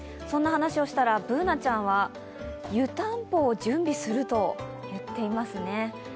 そんな話をしたら、Ｂｏｏｎａちゃんは湯たんぽを準備すると言っていますね。